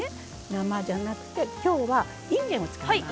生じゃなくて今日はいんげんを使います。